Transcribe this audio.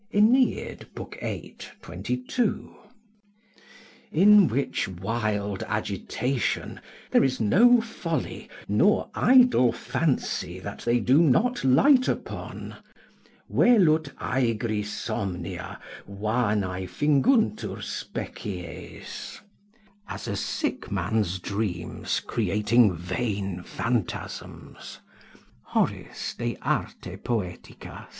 AEneid, viii. 22.] in which wild agitation there is no folly, nor idle fancy they do not light upon: "Velut aegri somnia, vanae Finguntur species." ["As a sick man's dreams, creating vain phantasms." Hor., De Arte Poetica, 7.